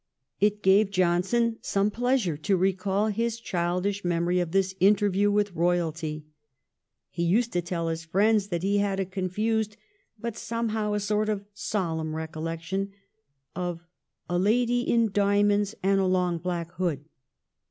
It gave Johnson some pleasure to recall his childish memory of this interview with royalty. He used to tell his friends that he had a confused but somehow a sort of solemn recollection of ' a lady in diamonds and a long black hood.'